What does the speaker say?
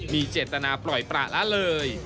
มีเจตนาปล่อยประละเลย